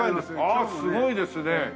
ああっすごいですね。